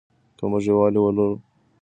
که موږ یووالي ولرو نو څوک مو نه ماتوي.